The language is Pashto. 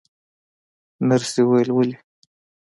نرسې وویل: ولې؟